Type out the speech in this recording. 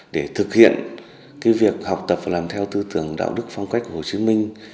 để thực hiện việc học tập và làm theo tư tưởng đạo đức phong cách hồ chí minh